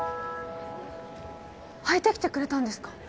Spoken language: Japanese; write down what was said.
履いてきてくれたんですか？